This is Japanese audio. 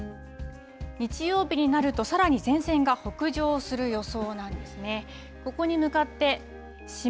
そして、このあと日曜日になるとさらに前線が北上する予想なんですね。